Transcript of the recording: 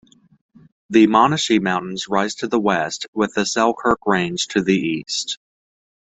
The Monashee Mountains rise to the west, with the Selkirk range to the east.